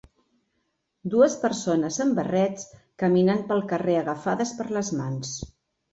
dues persones amb barrets caminant pel carrer agafades per les mans.